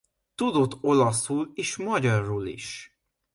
Tudott olaszul és magyarul is.